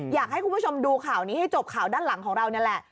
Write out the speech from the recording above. อยากให้คุณผู้ชมดูข่าวนี้ให้จบข่าวด้านหลังของเรานี่แหละ